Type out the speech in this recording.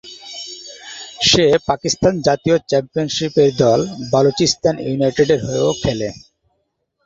সে পাকিস্তান জাতীয় চ্যাম্পিয়নশিপের দল বালুচিস্তান ইউনাইটেডের হয়েও খেলে।